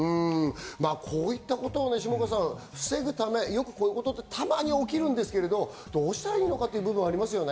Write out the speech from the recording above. こういったことを防ぐため、こういうこと、たまに起きるんですけど、どうしたらよかったのかという部分がありますよね。